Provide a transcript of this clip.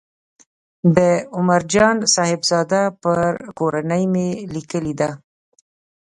د عمر جان صاحبزاده پر کورنۍ مې لیکلې ده.